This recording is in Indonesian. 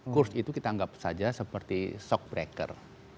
kurs itu kita anggap saja seperti shock breaker